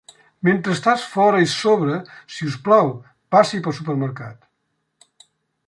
Mentre estàs fora i sobre, si us plau passi pel supermercat.